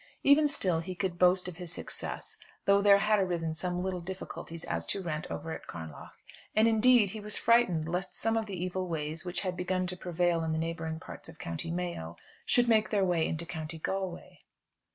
Even still he could boast of his success, though there had arisen some little difficulties as to rent over at Carnlough; and, indeed, he was frightened lest some of the evil ways which had begun to prevail in the neighbouring parts of County Mayo, should make their way into County Galway.